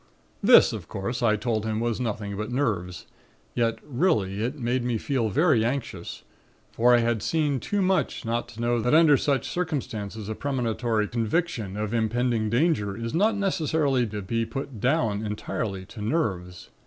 "This, of course, I told him was nothing but nerves; yet really, it made me feel very anxious; for I have seen too much not to know that under such circumstances a premonitory conviction of impending danger is not necessarily to be put down entirely to nerves.